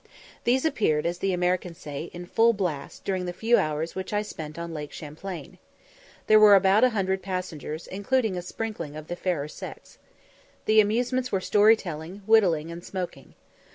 These appeared, as the Americans say, in "full blast," during the few hours which I spent on Lake Champlain. There were about a hundred passengers, including a sprinkling of the fair sex. The amusements were story telling, whittling, and smoking.